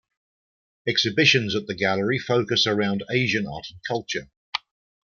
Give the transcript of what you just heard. Exhibitions at the Gallery focus around Asian art and culture.